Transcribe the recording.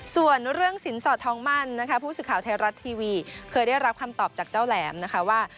ส่วนเรื่องสินสอดทองมั่นนะคะผู้สื่อข่าวไทยรัฐทีวีเคยได้รับคำตอบจากเจ้าแหลมนะคะว่า